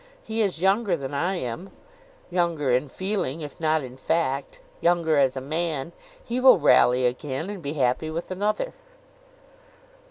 He is younger than I am; younger in feeling, if not in fact; younger as a man. He will rally again, and be happy with another."